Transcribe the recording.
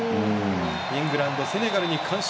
イングランドセネガルに完勝。